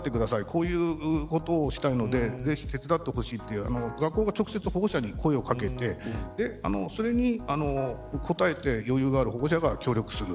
こういうことをしたいのでぜひ手伝ってほしいと学校が直接、保護者に声を掛けてそれに応えて余裕がある保護者が協力する。